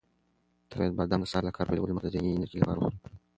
تاسو باید بادام د سهار له کار پیلولو مخکې د ذهني انرژۍ لپاره وخورئ.